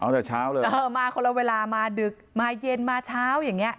ตั้งแต่เช้าเลยเออมาคนละเวลามาดึกมาเย็นมาเช้าอย่างเงี้